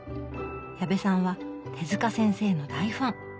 矢部さんは手先生の大ファン。